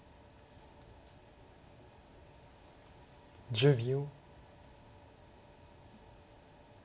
１０秒。